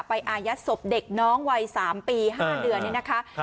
อายัดศพเด็กน้องวัย๓ปี๕เดือนเนี่ยนะคะ